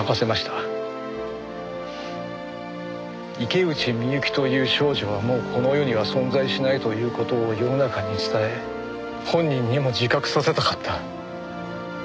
池内美雪という少女はもうこの世には存在しないという事を世の中に伝え本人にも自覚させたかった。